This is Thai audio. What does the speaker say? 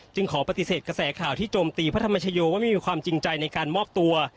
ขอปฏิเสธกระแสข่าวที่โจมตีพระธรรมชโยว่าไม่มีความจริงใจในการมอบตัว